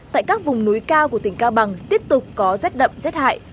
tại các vùng núi cao của tỉnh cao bằng tiếp tục có rét đậm rét hại